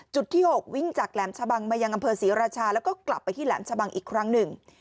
ที่๖วิ่งจากแหลมชะบังมายังอำเภอศรีราชาแล้วก็กลับไปที่แหลมชะบังอีกครั้งหนึ่ง